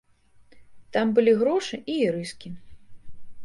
Там былі грошы і ірыскі.